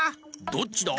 「どっちだ？」